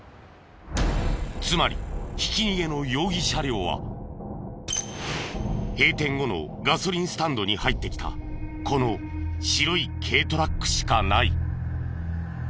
つまりひき逃げの容疑車両は閉店後のガソリンスタンドに入ってきたこの白い軽トラックしかない。